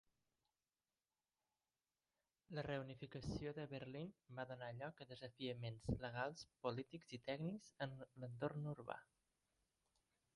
La reunificació de Berlín va donar lloc a desafiaments legals, polítics i tècnics en l'entorn urbà.